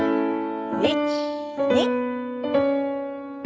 １２。